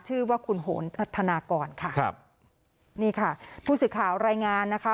ชื่อว่าคุณโหนพัฒนากรค่ะครับนี่ค่ะผู้สื่อข่าวรายงานนะคะ